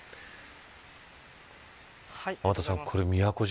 天達さん、宮古島